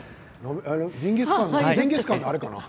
ジンギスカンのあれかな？